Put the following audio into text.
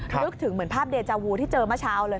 นึกถึงเหมือนภาพเดจาวูที่เจอเมื่อเช้าเลย